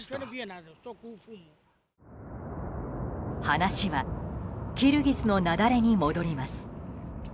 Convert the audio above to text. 話はキルギスの雪崩に戻ります。